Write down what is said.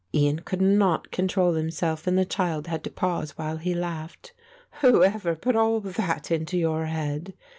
Ian could not control himself and the child had to pause while he laughed. "Whoever put all that into your head?